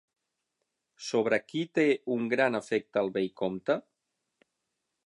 Sobre qui té un gran afecte el vell comte?